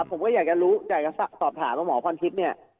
ผมก็อยากจะรู้อยากจะสอบถามว่าหมอพรทิพย์เนี่ย